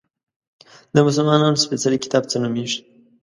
د مسلمانانو سپیڅلی کتاب څه نومیږي؟